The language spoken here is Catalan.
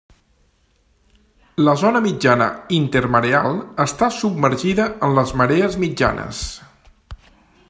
La zona mitjana intermareal està submergida en les marees mitjanes.